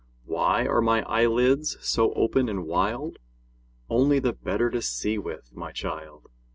"Why are my eyelids so open and wild?" Only the better to see with, my child!